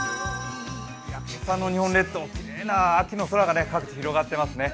今朝の日本列島、きれいな秋の空が各地、広がってますね。